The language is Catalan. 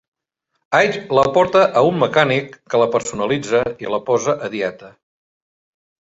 Hitch la porta a un mecànic que la personalitza i la "posa a dieta".